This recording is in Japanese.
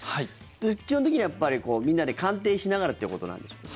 基本的にみんなで鑑定しながらということなんでしょうか。